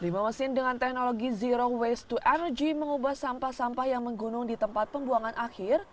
lima mesin dengan teknologi zero waste to energy mengubah sampah sampah yang menggunung di tempat pembuangan akhir